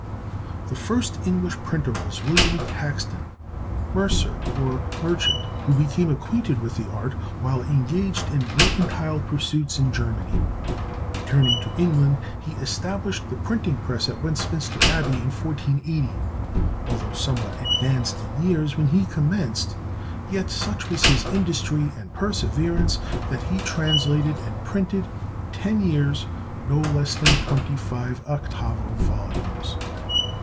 The first English printer was William Caxton, mercer, or merchant, who became acquainted with the art while engaged in mercantile pursuits in Germany. Returning to England, he established the printing press at Westminster Abbey, in 1480. Although somewhat advanced in years when he commenced, yet such was his industry and perseverance that he translated and printed, in ten years, no less than twenty five octavo volumes.